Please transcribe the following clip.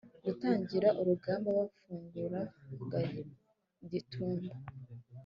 gutangira urugamba bafungura kagitumba